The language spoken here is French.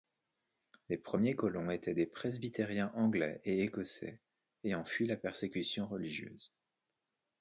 Les premiers colons étaient des presbytériens anglais et écossais ayant fui la persécution religieuse.